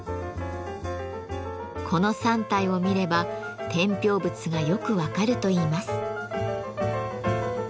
この３体を見れば天平仏がよく分かるといいます。